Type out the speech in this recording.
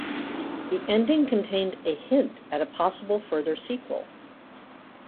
The ending contained a hint at a possible further sequel.